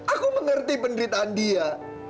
aku mengerti pendirian dia